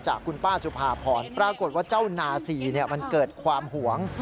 คุณป้าสุภาพรปรากฏว่าเจ้านาศรีมันเกิดความหวง